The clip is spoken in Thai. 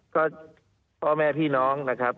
ก็พ่อแม่พี่น้องนะครับ